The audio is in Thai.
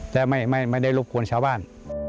แต่ไม่ได้รบกวนชาวบ้าน